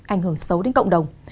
ảnh hưởng xấu đến cộng đồng